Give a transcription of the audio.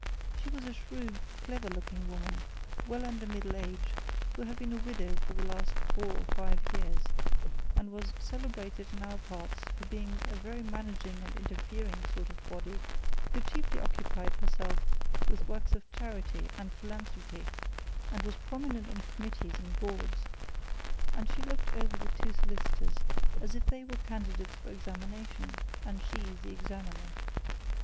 She was a shrewd, clever looking woman, well under middle age, who had been a widow for the last four or five years, and was celebrated in our parts for being a very managing and interfering sort of body who chiefly occupied herself with works of charity and philanthropy and was prominent on committees and boards. And she looked over the two solicitors as if they were candidates for examination, and she the examiner.